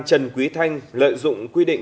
trần quý thanh lợi dụng quy định